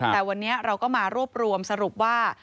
แต่วันนี้เราก็มารวบรวมสรุปว่า